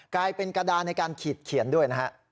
กลายเป็นกระดานในการขีดเขียนด้วยนะฮะ